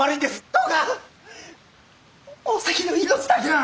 どうかおさきの命だけは！